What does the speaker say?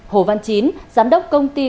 hồ văn chín giám đốc công ty